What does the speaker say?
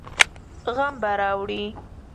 غم به راوړي.